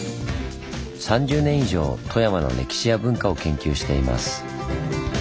３０年以上富山の歴史や文化を研究しています。